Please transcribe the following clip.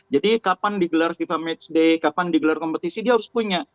jadi kapan digelar fifa match day kapan digelar kompetisi dia harus punya